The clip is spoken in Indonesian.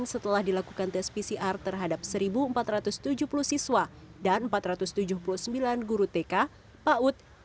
setelah dilakukan tes pcr terhadap satu empat ratus tujuh puluh siswa dan empat ratus tujuh puluh sembilan guru tk paud